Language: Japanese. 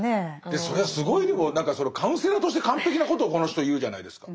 それはすごいでも何かそのカウンセラーとして完璧なことをこの人言うじゃないですか。